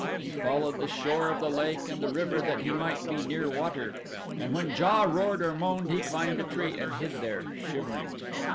He followed the shore of the lake and the river that he might be near water, and when JA roared or moaned he climbed a tree and hid there, shivering.